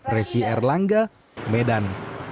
resi erlangga medan